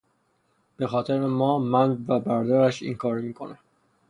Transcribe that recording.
به خاطر ما من و برادرش این کارو میکنه